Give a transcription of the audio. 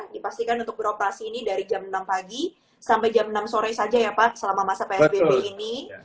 dipastikan untuk beroperasi ini dari jam enam pagi sampai jam enam sore saja ya pak selama masa psbb ini